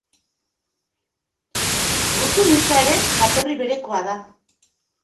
Gutun hitza ere jatorri berekoa da.